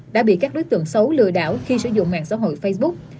đã bị các đối tượng xấu lừa đảo khi sử dụng mạng xã hội facebook